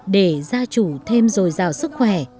để gia chủ thêm dồi dào sức khỏe